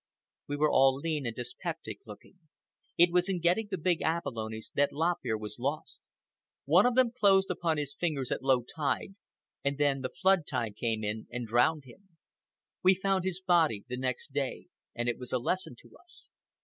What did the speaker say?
We were all lean and dyspeptic looking. It was in getting the big abalones that Lop Ear was lost. One of them closed upon his fingers at low tide, and then the flood tide came in and drowned him. We found his body the next day, and it was a lesson to us.